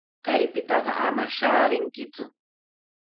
Kaypitaqa ama shaarinkiku.